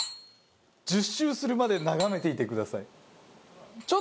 １０周するまで眺めていてください。